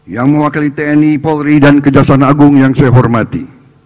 yang mewakili tni polri dan kejaksaan agung yang saya hormati